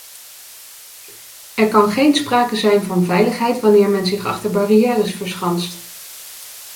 Er kan geen sprake zijn van veiligheid wanneer men zich achter barrières verschanst.